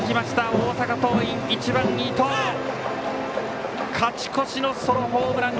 大阪桐蔭、１番の伊藤勝ち越しのソロホームラン！